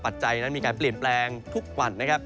จัยนั้นมีการเปลี่ยนแปลงทุกวันนะครับ